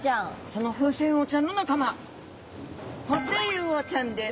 そのフウセンウオちゃんの仲間ホテイウオちゃんです。